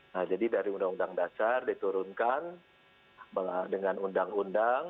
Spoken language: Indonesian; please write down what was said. nah jadi dari undang undang dasar diturunkan dengan undang undang